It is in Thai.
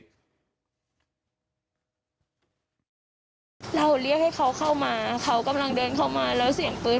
เราเรียกให้เขาเข้ามาเขากำลังเดินเข้ามาแล้วเสียงปืน